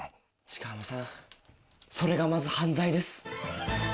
鹿浜さんそれがまず犯罪です。